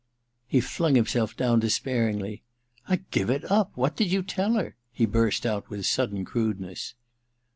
He flung himself down despairingly. *I give it up !— ^What did you tell her ?' he burst out with sudden crudeness.